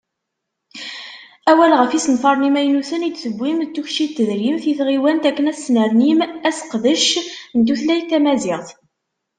Awal ɣef yisenfaren imaynuten i d-tewwim, d tukci n tedrimt i tɣiwanin akken ad snernim aseqdec n tutlayt tamaziɣt